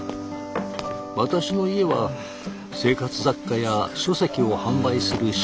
私の家は生活雑貨や書籍を販売する商店。